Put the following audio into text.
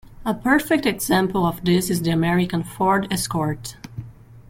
A perfect example of this is the American Ford Escort.